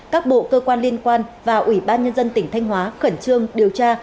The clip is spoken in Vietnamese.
các bộ cơ quan liên quan và ủy ban nhân dân tỉnh thanh hóa khẩn trương điều tra